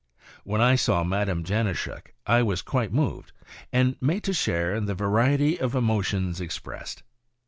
When I saw Madame Janauschek I was quite moved, and made to share in the variety of emotions expressed.